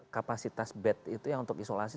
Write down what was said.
kapasitas bed itu yang untuk isolasi